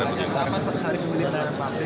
pemiliter pabrik alasan capokannya